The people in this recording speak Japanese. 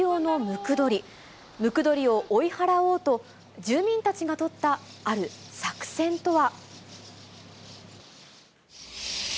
ムクドリを追い払おうと、住民たちが取ったある作戦とは。